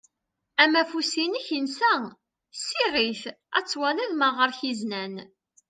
Amafus-inek insa. Siɣ-it ad twaliḍ ma ɣer-k izenan.